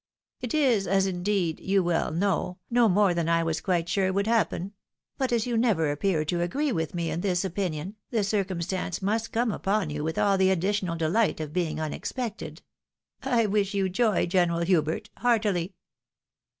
It is, as indeed you well know, no more than I was quite sure would happen ; but as you never appeared to agree with me in this opinion, the circumstance must come upon you with all the additional delight of being unexpected. — ^I wish you joy. General Hubert, heartily."